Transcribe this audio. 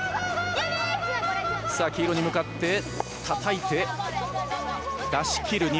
黄色に向かってたたいて、出し切る。